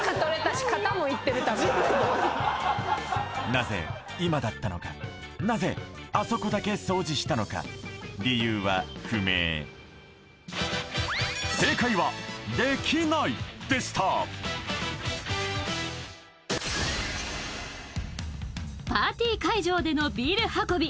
なぜ今だったのかなぜあそこだけ掃除したのか理由は不明正解はできないでしたパーティー会場でのビール運び